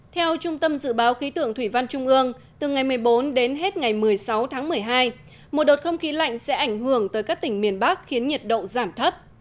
theo trung tâm dự báo khí tượng thủy văn trung ương từ ngày một mươi bốn đến hết ngày một mươi sáu tháng một mươi hai một đợt không khí lạnh sẽ ảnh hưởng tới các tỉnh miền bắc khiến nhiệt độ giảm thấp